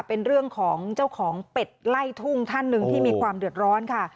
เป็นเรื่องของเจ้าของเป็ดไล่ทุ่งท่านหนึ่งที่มีความเดือดร้อนค่ะ